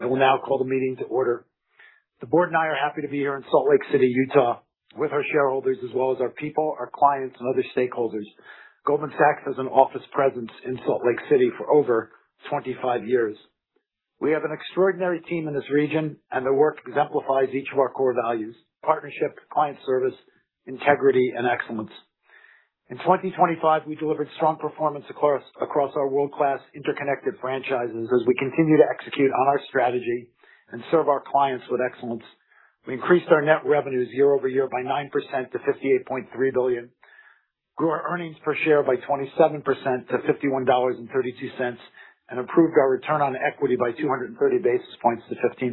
I will now call the meeting to order. The board and I are happy to be here in Salt Lake City, Utah, with our shareholders, as well as our people, our clients, and other stakeholders. Goldman Sachs has an office presence in Salt Lake City for over 25 years. We have an extraordinary team in this region, and their work exemplifies each of our core values: partnership, client service, integrity, and excellence. In 2025, we delivered strong performance across our world-class interconnected franchises as we continue to execute on our strategy and serve our clients with excellence. We increased our net revenues year-over-year by 9% to $58.3 billion, grew our earnings per share by 27% to $51.32, and improved our return on equity by 230 basis points to 15%.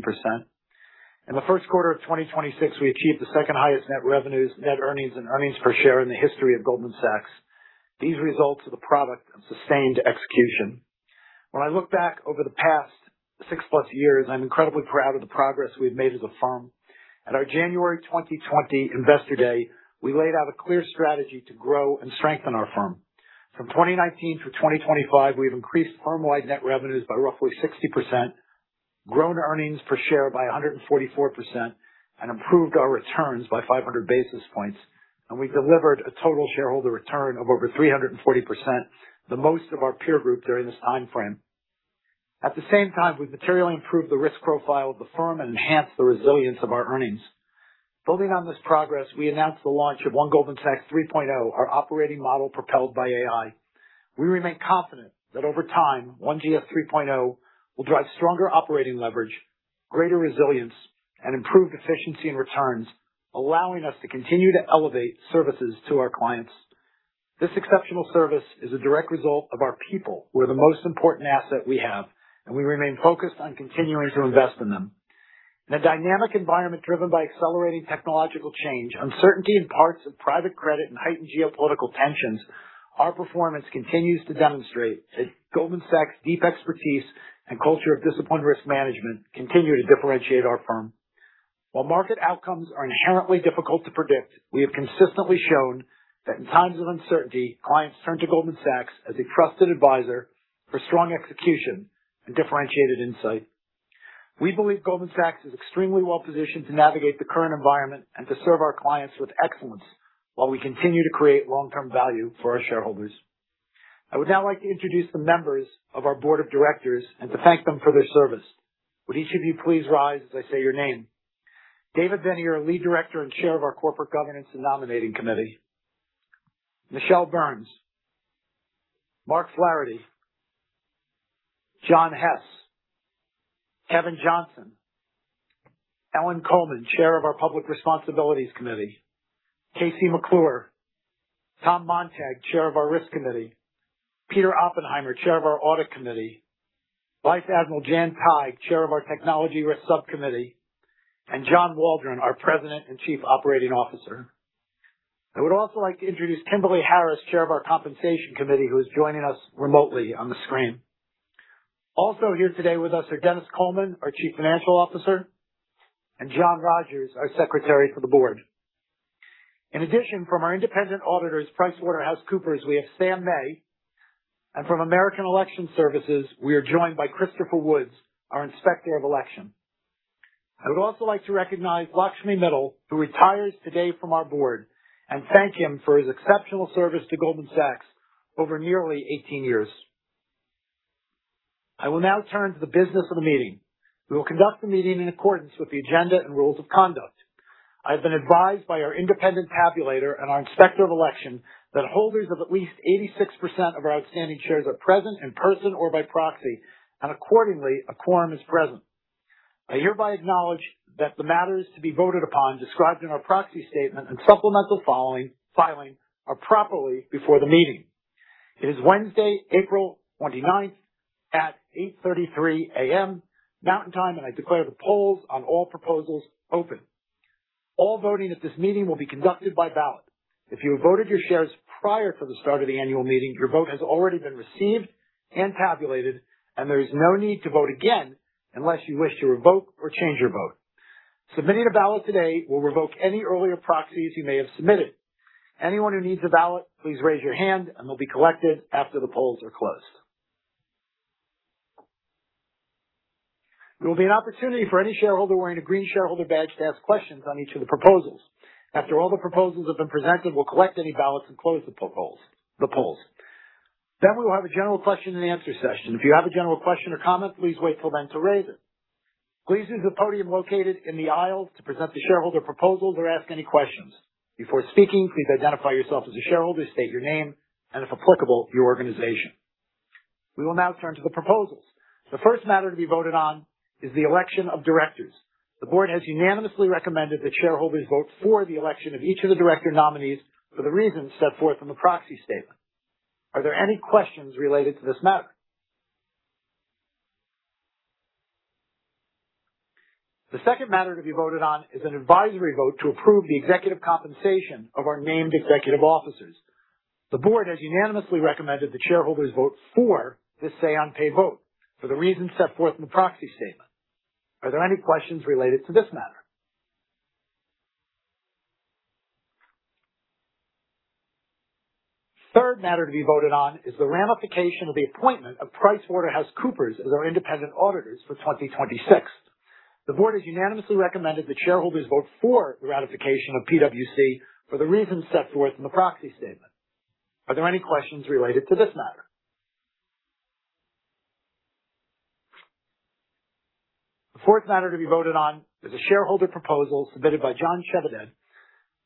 In the first quarter of 2026, we achieved the second highest net revenues, net earnings, and earnings per share in the history of Goldman Sachs. These results are the product of sustained execution. When I look back over the past 6+ years, I'm incredibly proud of the progress we've made as a firm. At our January 2020 Investor Day, we laid out a clear strategy to grow and strengthen our firm. From 2019 through 2025, we've increased firmwide net revenues by roughly 60%, grown earnings per share by 144%, and improved our returns by 500 basis points. We delivered a total shareholder return of over 340%, the most of our peer group during this timeframe. At the same time, we've materially improved the risk profile of the firm and enhanced the resilience of our earnings. Building on this progress, we announced the launch of One Goldman Sachs 3.0, our operating model propelled by AI. We remain confident that over time, OneGS 3.0 will drive stronger operating leverage, greater resilience, and improved efficiency and returns, allowing us to continue to elevate services to our clients. This exceptional service is a direct result of our people who are the most important asset we have, and we remain focused on continuing to invest in them. In a dynamic environment driven by accelerating technological change, uncertainty in parts of private credit, and heightened geopolitical tensions, our performance continues to demonstrate that Goldman Sachs' deep expertise and culture of disciplined risk management continue to differentiate our firm. While market outcomes are inherently difficult to predict, we have consistently shown that in times of uncertainty, clients turn to Goldman Sachs as a trusted advisor for strong execution and differentiated insight. We believe Goldman Sachs is extremely well-positioned to navigate the current environment and to serve our clients with excellence while we continue to create long-term value for our shareholders. I would now like to introduce the members of our Board of Directors and to thank them for their service. Would each of you please rise as I say your name? David Viniar, Lead Director and Chair of our Corporate Governance and Nominating Committee. Michele Burns. Mark Flaherty. John Hess. Kevin Johnson. Ellen Kullman, Chair of our Public Responsibilities Committee. KC McClure. Tom Montag, Chair of our Risk Committee. Peter Oppenheimer, Chair of our Audit Committee. Vice Admiral Jan Tighe, Chair of our Technology Risk Subcommittee, and John Waldron, our President and Chief Operating Officer. I would also like to introduce Kimberley Harris, Chair of our Compensation Committee, who is joining us remotely on the screen. Also here today with us are Denis Coleman, our Chief Financial Officer, and John Rogers, our Secretary for the board. In addition, from our independent auditors, PricewaterhouseCoopers, we have Sam May, and from American Election Services, we are joined by Christopher Woods, our Inspector of Election. I would also like to recognize Lakshmi Mittal, who retires today from our board, and thank him for his exceptional service to Goldman Sachs over nearly 18 years. I will now turn to the business of the meeting. We will conduct the meeting in accordance with the agenda and rules of conduct. I have been advised by our independent tabulator and our Inspector of Election that holders of at least 86% of our outstanding shares are present in person or by proxy, and accordingly, a quorum is present. I hereby acknowledge that the matters to be voted upon described in our proxy statement and supplemental filing are properly before the meeting. It is Wednesday, April 29th at 8:33 A.M. Mountain Time. I declare the polls on all proposals open. All voting at this meeting will be conducted by ballot. If you have voted your shares prior to the start of the annual meeting, your vote has already been received and tabulated, and there is no need to vote again unless you wish to revoke or change your vote. Submitting a ballot today will revoke any earlier proxies you may have submitted. Anyone who needs a ballot, please raise your hand, and they'll be collected after the polls are closed. There will be an opportunity for any shareholder wearing a green shareholder badge to ask questions on each of the proposals. After all the proposals have been presented, we'll collect any ballots and close the polls. We will have a general question and answer session. If you have a general question or comment, please wait for then to raise it. Please use the podium located in the aisle to present the shareholder proposals or ask any questions. Before speaking, please identify yourself as a shareholder, state your name, and if applicable, your organization. We will now turn to the proposals. The first matter to be voted on is the election of directors. The board has unanimously recommended that shareholders vote for the election of each of the director nominees for the reasons set forth in the proxy statement. Are there any questions related to this matter? The second matter to be voted on is an advisory vote to approve the executive compensation of our named executive officers. The board has unanimously recommended that shareholders vote for this say on pay vote for the reasons set forth in the proxy statement. Are there any questions related to this matter? Third matter to be voted on is the ratification of the appointment of PricewaterhouseCoopers as our independent auditors for 2026. The board has unanimously recommended that shareholders vote for the ratification of PwC for the reasons set forth in the proxy statement. Are there any questions related to this matter? The fourth matter to be voted on is a shareholder proposal submitted by John Chevedden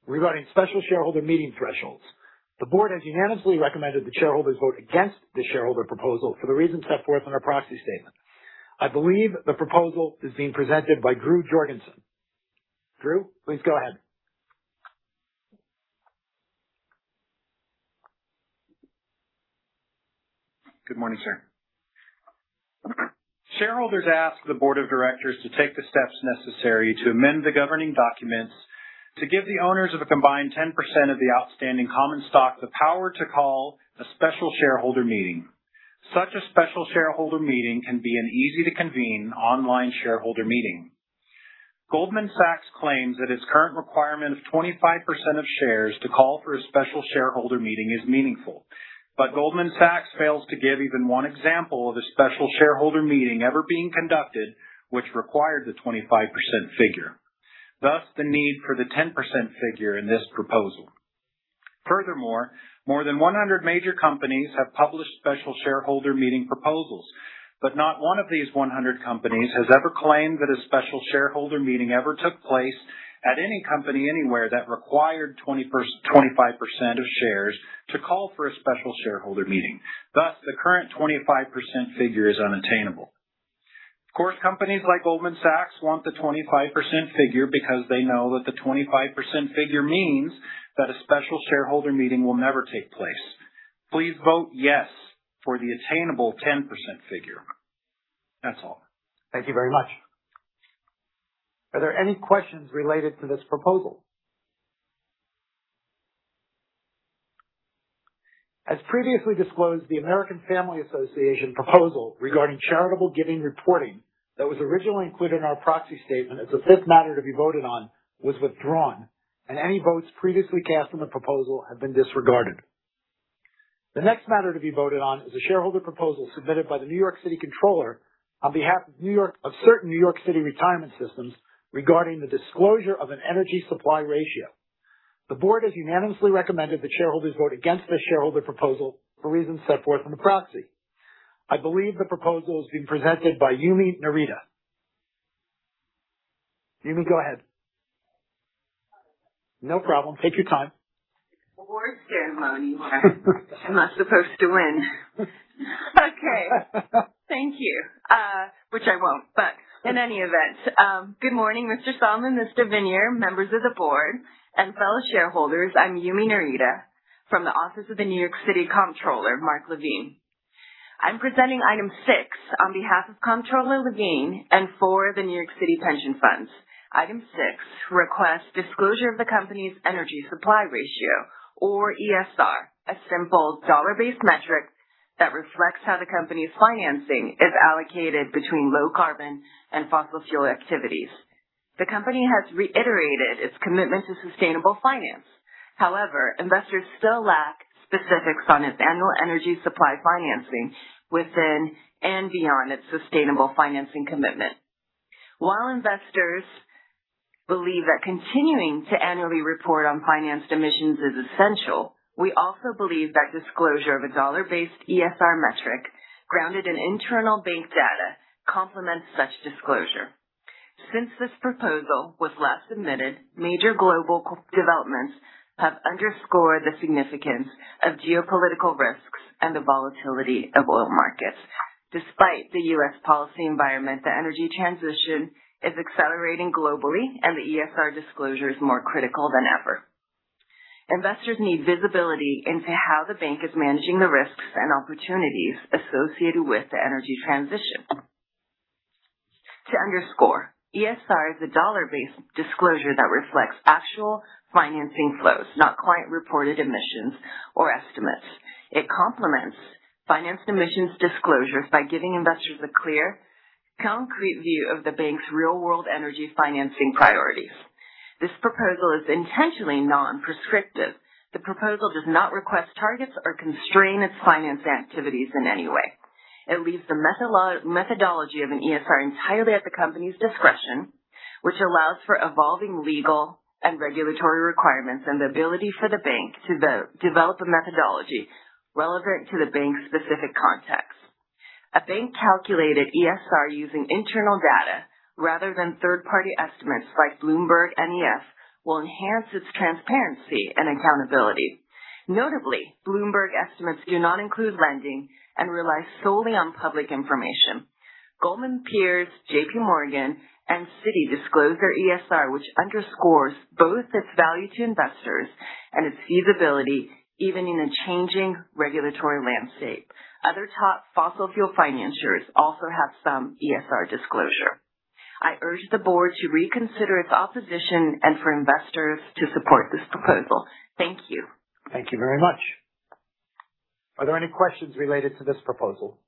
regarding special shareholder meeting thresholds. The board has unanimously recommended that shareholders vote against the shareholder proposal for the reasons set forth in our proxy statement. I believe the proposal is being presented by Drew Jorgensen. Drew, please go ahead. Good morning, sir. Shareholders ask the board of directors to take the steps necessary to amend the governing documents to give the owners of a combined 10% of the outstanding common stock the power to call a special shareholder meeting. Such a special shareholder meeting can be an easy-to-convene online shareholder meeting. Goldman Sachs claims that its current requirement of 25% of shares to call for a special shareholder meeting is meaningful. Goldman Sachs fails to give even one example of a special shareholder meeting ever being conducted, which required the 25% figure, thus the need for the 10% figure in this proposal. Furthermore, more than 100 major companies have published special shareholder meeting proposals, but not one of these 100 companies has ever claimed that a special shareholder meeting ever took place at any company, anywhere that required 25% of shares to call for a special shareholder meeting. Thus, the current 25% figure is unattainable. Of course, companies like Goldman Sachs want the 25% figure because they know that the 25% figure means that a special shareholder meeting will never take place. Please vote yes for the attainable 10% figure. That's all. Thank you very much. Are there any questions related to this proposal? As previously disclosed, the American Family Association proposal regarding charitable giving reporting that was originally included in our proxy statement as the fifth matter to be voted on was withdrawn, and any votes previously cast on the proposal have been disregarded. The next matter to be voted on is a shareholder proposal submitted by the New York City Comptroller on behalf of certain New York City Retirement Systems regarding the disclosure of an energy supply ratio. The board has unanimously recommended that shareholders vote against this shareholder proposal for reasons set forth in the proxy. I believe the proposal is being presented by Yumi Narita. Yumi, go ahead. No problem. Take your time. Award ceremony where am I supposed to win? Okay. Thank you. Which I won't. In any event, good morning, Mr. Solomon, Mr. Viniar, members of the board, and fellow shareholders. I'm Yumi Narita from the Office of the New York City Comptroller, Mark Levine. I'm presenting item six on behalf of Comptroller Levine and for the New York City Pension Funds. Item six requests disclosure of the company's energy supply ratio or ESR, a simple dollar-based metric that reflects how the company's financing is allocated between low carbon and fossil fuel activities. The company has reiterated its commitment to sustainable finance. However, investors still lack specifics on its annual energy supply financing within and beyond its sustainable financing commitment. While investors believe that continuing to annually report on financed emissions is essential, we also believe that disclosure of a dollar-based ESR metric grounded in internal bank data complements such disclosure. Since this proposal was last submitted, major global developments have underscored the significance of geopolitical risks and the volatility of oil markets. Despite the U.S. policy environment, the energy transition is accelerating globally, and the ESR disclosure is more critical than ever. Investors need visibility into how the bank is managing the risks and opportunities associated with the energy transition. To underscore, ESR is a dollar-based disclosure that reflects actual financing flows, not client-reported emissions or estimates. It complements finance emissions disclosures by giving investors a clear, concrete view of the bank's real-world energy financing priorities. This proposal is intentionally non-prescriptive. The proposal does not request targets or constrain its finance activities in any way. It leaves the methodology of an ESR entirely at the company's discretion, which allows for evolving legal and regulatory requirements and the ability for the bank to develop a methodology relevant to the bank's specific context. A bank-calculated ESR using internal data rather than third-party estimates like BloombergNEF will enhance its transparency and accountability. Notably, Bloomberg estimates do not include lending and rely solely on public information. Goldman peers JPMorgan and Citi disclose their ESR, which underscores both its value to investors and its feasibility even in a changing regulatory landscape. Other top fossil fuel financiers also have some ESR disclosure. I urge the board to reconsider its opposition and for investors to support this proposal. Thank you. Thank you very much. Are there any questions related to this proposal?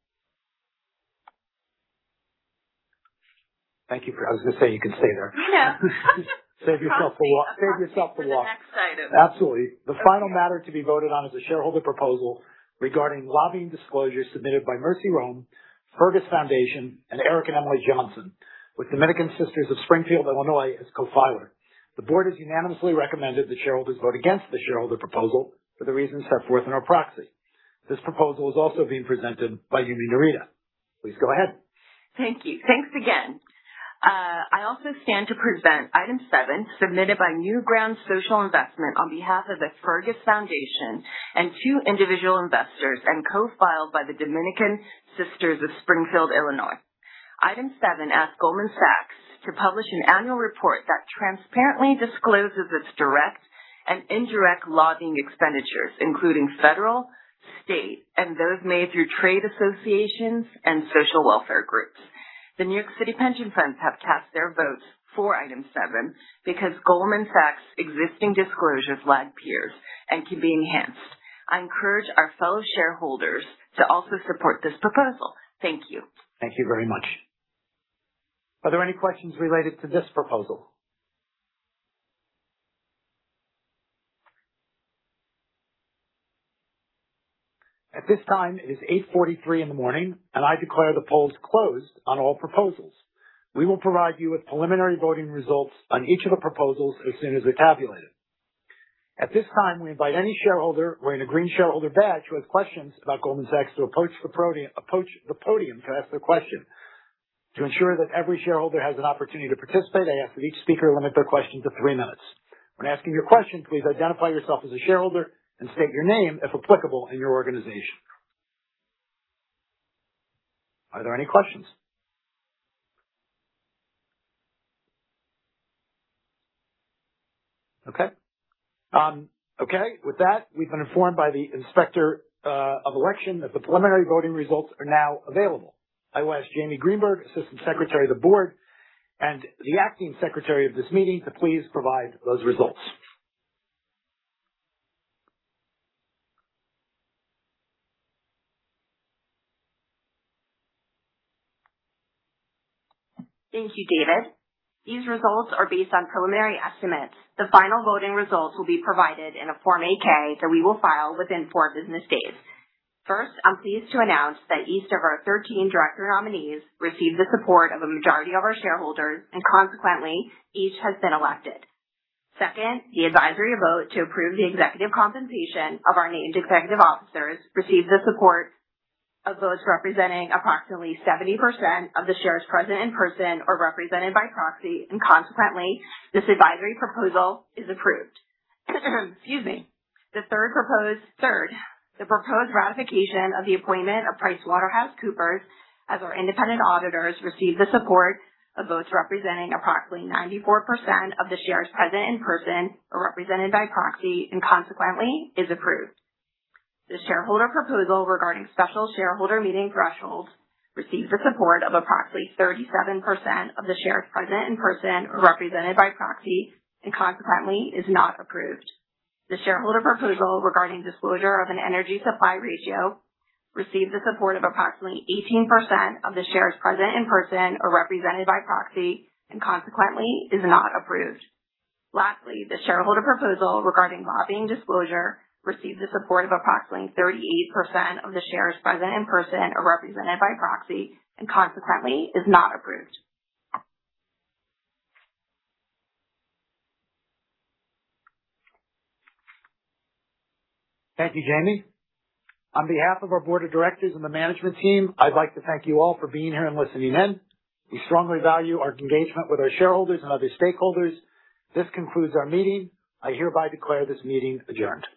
I was gonna say you can stay there. I know. Save yourself the walk. Save yourself the walk. I'm excited. Absolutely. The final matter to be voted on is a shareholder proposal regarding lobbying disclosure submitted by Mercy Rome, Fergus Foundation, and Eric and Emily Johnson, with Dominican Sisters of Springfield, Illinois, as co-filer. The Board has unanimously recommended that shareholders vote against the shareholder proposal for the reasons set forth in our proxy. This proposal is also being presented by Yumi Narita. Please go ahead. Thank you. Thanks again. I also stand to present item 7, submitted by Newground Social Investment on behalf of the Fergus Foundation and two individual investors and co-filed by the Dominican Sisters of Springfield, Illinois. Item 7 asks Goldman Sachs to publish an annual report that transparently discloses its direct and indirect lobbying expenditures, including federal, state, and those made through trade associations and social welfare groups. The New York City Pension Funds have cast their votes for item 7 because Goldman Sachs existing disclosures lag peers and can be enhanced. I encourage our fellow shareholders to also support this proposal. Thank you. Thank you very much. Are there any questions related to this proposal? At this time, it is 8:43 A.M., and I declare the polls closed on all proposals. We will provide you with preliminary voting results on each of the proposals as soon as they're tabulated. At this time, we invite any shareholder wearing a green shareholder badge who has questions about Goldman Sachs to approach the podium to ask their question. To ensure that every shareholder has an opportunity to participate, I ask that each speaker limit their question to three minutes. When asking your question, please identify yourself as a shareholder and state your name, if applicable, and your organization. Are there any questions? Okay. Okay. With that, we've been informed by the Inspector of Election that the preliminary voting results are now available. I will ask Jamie Greenberg, Assistant Secretary to the Board and the acting secretary of this meeting to please provide those results. Thank you, David. These results are based on preliminary estimates. The final voting results will be provided in a Form 8-K that we will file within four business days. First, I'm pleased to announce that each of our 13 director nominees received the support of a majority of our shareholders, and consequently, each has been elected. Second, the advisory vote to approve the executive compensation of our named executive officers received the support of those representing approximately 70% of the shares present in person or represented by proxy, and consequently, this advisory proposal is approved. Excuse me. Third, the proposed ratification of the appointment of PricewaterhouseCoopers as our independent auditors received the support of votes representing approximately 94% of the shares present in person or represented by proxy, and consequently is approved. The shareholder proposal regarding special shareholder meeting thresholds received the support of approximately 37% of the shares present in person or represented by proxy, and consequently is not approved. The shareholder proposal regarding disclosure of an energy supply ratio received the support of approximately 18% of the shares present in person or represented by proxy, and consequently is not approved. Lastly, the shareholder proposal regarding lobbying disclosure received the support of approximately 38% of the shares present in person or represented by proxy, and consequently is not approved. Thank you, Jamie. On behalf of our board of directors and the management team, I'd like to thank you all for being here and listening in. We strongly value our engagement with our shareholders and other stakeholders. This concludes our meeting. I hereby declare this meeting adjourned.